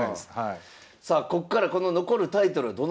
さあこっからこの残るタイトル